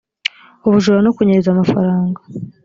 ubujura no kunyereza amafaranga